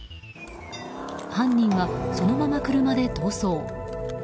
犯人は、そのまま車で逃走。